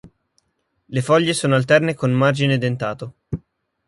Le foglie sono alterne con margine dentato.